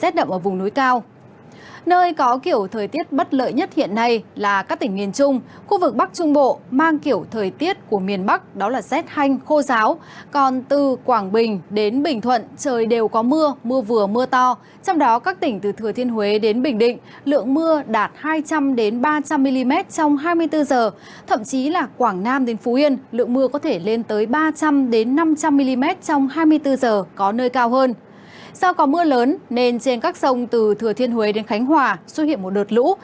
từ thừa thiên huế đến khánh hòa xuất hiện một đợt lũ